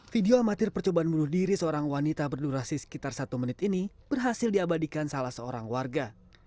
video amatir percobaan bunuh diri seorang wanita berdurasi sekitar satu menit ini berhasil diabadikan salah seorang warga